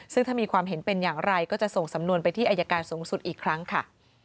ซึ่งถ้ามีความเห็นเป็นอย่างไรก็จะส่งสำนวนไปที่อายการสูงสุดอีกครั้งค่ะ